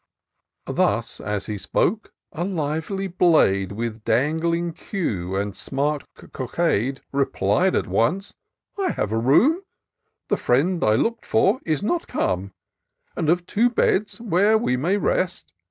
Thus as he spoke, a lively blade. With dangling queue and smiart cockade. Replied at once, " I have a room; The friend I look'd for is not come ; And of two beds where we may rest.